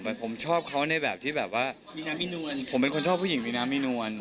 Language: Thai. ผมชอบเขาในแบบที่แบบว่าผมเป็นคนชอบผู้หญิงมีน้ำมีนวล